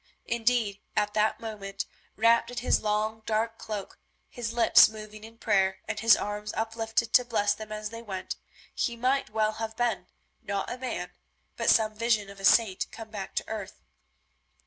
Indeed, at that moment, wrapped in his long, dark cloak, his lips moving in prayer, and his arms uplifted to bless them as they went, he might well have been, not a man, but some vision of a saint come back to earth.